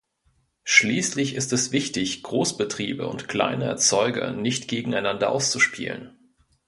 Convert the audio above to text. Schließlich ist es wichtig, Großbetriebe und kleine Erzeuger nicht gegeneinander auszuspielen.